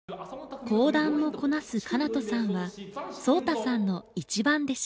講談もこなす奏人さんは颯太さんの一番弟子。